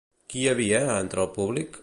Qui hi havia entre el públic?